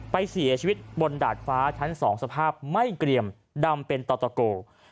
ไปเสียชีวิตบนดาดฟ้าชั้น๒สภาพไม่เกรียมดำเป็นต่อตะโก